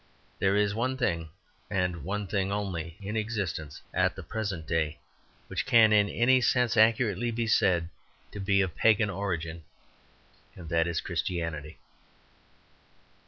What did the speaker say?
There is one thing, and one thing only, in existence at the present day which can in any sense accurately be said to be of pagan origin, and that is Christianity.